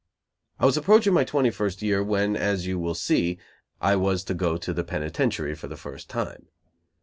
I was approaching my twenty first year, when, as you will see, I was to go to the penitentiary for the first time.